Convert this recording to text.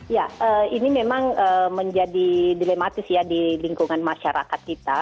ya ini memang menjadi dilematis ya di lingkungan masyarakat kita